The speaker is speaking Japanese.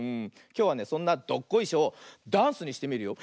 きょうはねそんな「どっこいしょ」をダンスにしてみるよ。